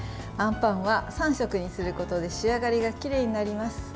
あんパンは３色にすることで仕上がりがきれいになります。